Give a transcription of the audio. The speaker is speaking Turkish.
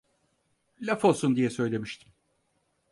Laf olsun diye söylemiştim...